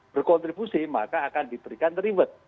berkontribusi maka akan diberikan reward